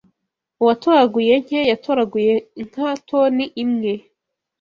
Uwatoraguye nke yatoraguye nka toni imwe